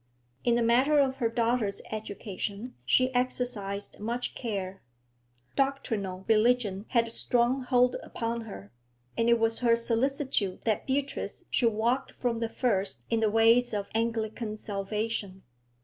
In the matter of her daughter's education she exercised much care. Doctrinal religion had a strong hold upon her, and it was her solicitude that Beatrice should walk from the first in the ways of Anglican salvation.